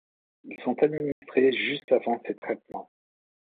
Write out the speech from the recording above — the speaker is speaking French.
Ils sont administrés juste avant ces traitements.